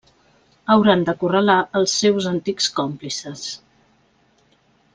Hauran d'acorralar els seus antics còmplices.